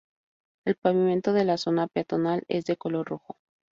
El pavimento de la zona peatonal es de color rojo.